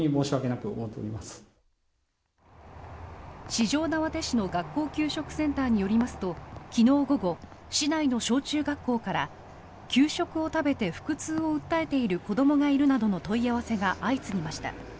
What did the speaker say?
四條畷市の学校給食センターによりますと、昨日午後市内の小中学校から給食を食べて腹痛を訴えている子どもがいるなどの問い合わせが相次ぎました。